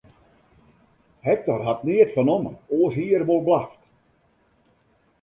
Hektor hat neat fernommen, oars hie er wol blaft.